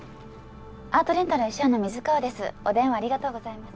アートレンタル・エシェアの水川です